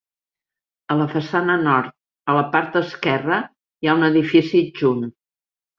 A la façana nord, a la part esquerra hi ha un edifici adjunt.